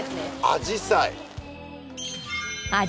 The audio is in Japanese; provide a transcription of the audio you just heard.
アジサイ。